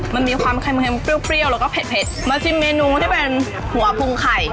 มันมีความเค็มเปรี้ยวแล้วก็เผ็ดมาชิมเมนูที่เป็นหัวพุงไข่